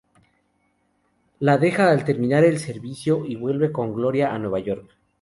La deja al terminar el servicio y vuelve con Gloria a Nueva York.